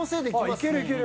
ああいけるいける。